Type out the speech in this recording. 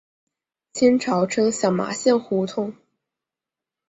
清朝称小麻线胡同。